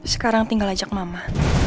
sekarang tinggal ajak mama